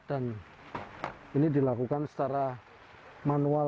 dan ini dilakukan secara manual